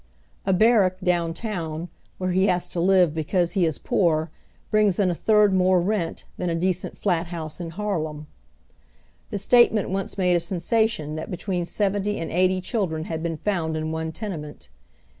A barrack down town where he has to live because lie is poor brings in a tiiird more rent than a decent flat house in Harlem. The 6tatement once made a sensation that between seventy and eighty children had been found in one tenement.